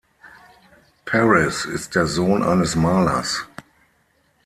Paris ist der Sohn eines Malers.